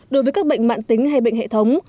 đối với các bệnh mạng tính hay bệnh hệ thống